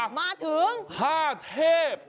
มาถึงห้าเทพ